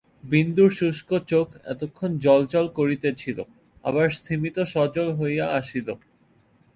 বিন্দুর শুষ্ক চোখ এতক্ষণ জ্বলজ্বল করিতেছিল, আবার স্তিমিত সজল হইয়া আসিল।